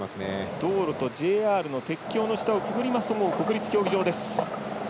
道路とＪＲの鉄橋の下をくぐりますと国立競技場です。